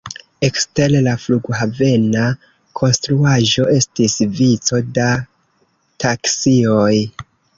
Ekster la flughavena konstruaĵo estis vico da taksioj.